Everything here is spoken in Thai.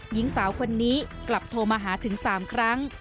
หญิงสาวคนนี้กลับโทรมาหาถึง๓ครั้ง